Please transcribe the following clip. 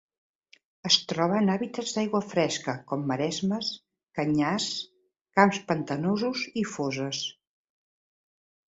Es troba en hàbitats d'aigua fresca com maresmes, canyars, camps pantanosos i fosses.